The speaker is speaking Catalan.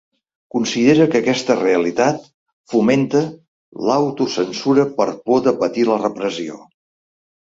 Considera que aquesta realitat fomenta “l’autocensura per por de patir la repressió”.